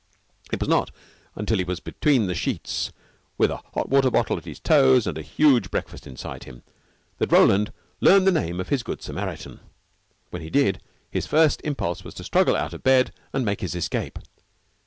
It was not till he was between the sheets with a hot water bottle at his toes and a huge breakfast inside him that Roland learned the name of his good Samaritan. When he did, his first impulse was to struggle out of bed and make his escape.